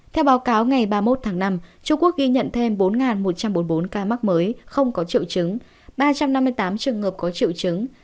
theo báo cáo ngày ba mươi một tháng năm trung quốc ghi nhận thêm bốn một trăm bốn mươi bốn ca mắc mới không có triệu chứng ba trăm năm mươi tám trường hợp có triệu chứng